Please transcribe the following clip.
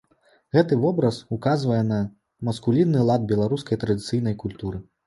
Гэты вобраз указвае на маскулінны лад беларускай традыцыйнай культуры.